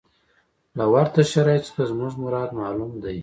له ورته شرایطو څخه زموږ مراد معلوم دی.